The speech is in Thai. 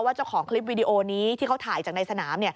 เจ้าของคลิปวิดีโอนี้ที่เขาถ่ายจากในสนาม